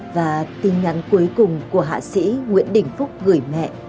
và tin nhắn cuối cùng của hạ sĩ nguyễn đình phúc gửi mẹ